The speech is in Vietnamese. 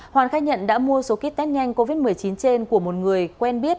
hoàn khai nhận đã mua số kit test nhanh covid một mươi chín trên của một người quen biết